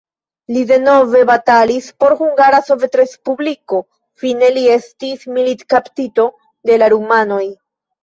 Li denove batalis por Hungara Sovetrespubliko, fine li estis militkaptito de la rumanoj.